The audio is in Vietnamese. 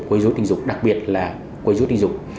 quấy rối tình dục đặc biệt là quấy rối tình dục